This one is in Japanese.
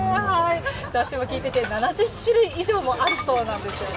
だしも効いてて７０種類以上もあるそうなんです。